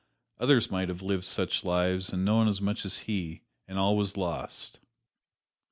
Others might have lived such lives and known as much as he, and all was lost!